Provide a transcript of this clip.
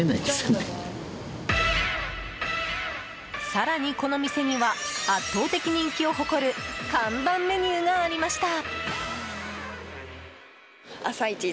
更に、この店には圧倒的人気を誇る看板メニューがありました。